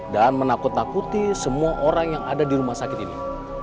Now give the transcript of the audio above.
dan menakut takuti semua orang yang ada di rumah sakit ini